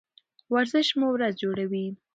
ورزش مو ورځ جوړوي.